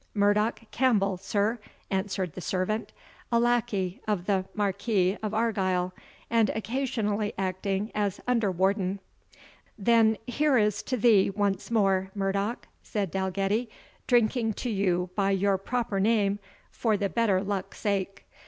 "Murdoch Campbell, sir," answered the servant, "a lackey of the Marquis of Argyle, and occasionally acting as under warden." "Then here is to thee once more, Murdoch," said Dalgetty, "drinking to you by your proper name for the better luck sake.